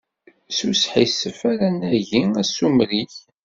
S usḥissef ara nagi asumer-ik.